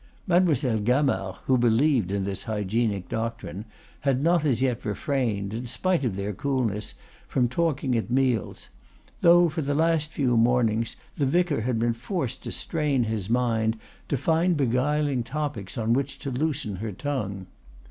Mademoiselle Gamard, who believed in this hygienic doctrine, had not as yet refrained, in spite of their coolness, from talking at meals; though, for the last few mornings, the vicar had been forced to strain his mind to find beguiling topics on which to loosen her tongue.